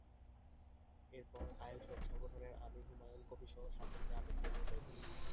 এরপর আয়োজক সংগঠনের আমির হুমায়ন কবীরসহ সাতজনকে আটক করে নিয়ে যায় পুলিশ।